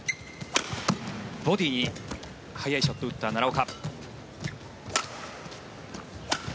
ボディーに速いショットを打った奈良岡。